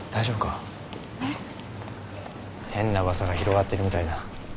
変な噂が広がってるみたいだ。